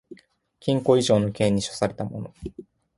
禁錮以上の刑に処せられた者